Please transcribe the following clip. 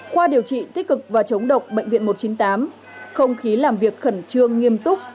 khoa điều trị tích cực và chống độc bệnh viện một trăm chín mươi tám không khí làm việc khẩn trương nghiêm túc